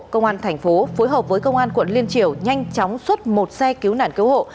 công an thành phố phối hợp với công an quận liên triều nhanh chóng xuất một xe cứu nạn cứu hộ